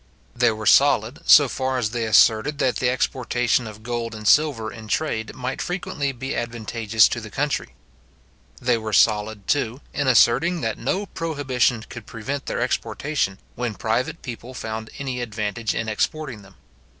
They were solid, so far as they asserted that the exportation of gold and silver in trade might frequently be advantageous to the country. They were solid, too, in asserting that no prohibition could prevent their exportation, when private people found any advantage in exporting them.